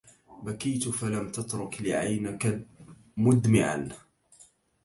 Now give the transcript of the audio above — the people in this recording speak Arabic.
بكيت فلم تترك لعينك مدمعا